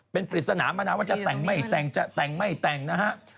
เป็นปริศนามานะว่าจะแต่งไม่แต่งจะแต่งไม่แต่งนะฮะ